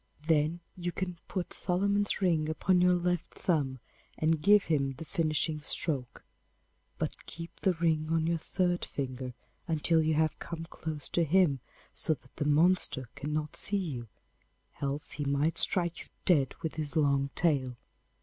Then you can put Solomon's ring upon your left thumb and give him the finishing stroke, but keep the ring on your third finger until you have come close to him, so that the monster cannot see you, else he might strike you dead with his long tail.